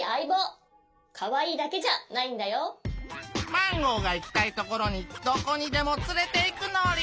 マンゴーがいきたいところにどこにでもつれていくのぉり。